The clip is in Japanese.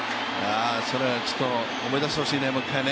それはちょっと思い出してほしいね、もう１回。